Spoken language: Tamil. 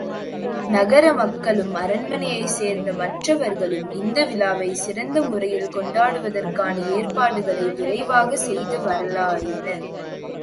நகர மக்களும் அரண்மனையைச் சேர்ந்த மற்றவர்களும் இந்த விழாவைச் சிறந்த முறையில் கொண்டாடுவதற்கான ஏற்பாடுகளை விரைவாகச் செய்து வரலாயினர்.